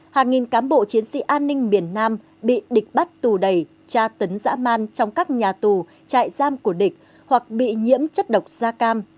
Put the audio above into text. hàng nghìn cán bộ chiến sĩ an ninh miền nam bị địch bắt tù đầy tra tấn dã man trong các nhà tù trại giam của địch hoặc bị nhiễm chất độc da cam